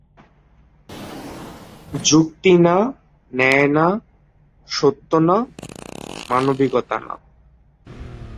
যুক্তি না, ন্যায় না, সত্য না, মানবিকতা না।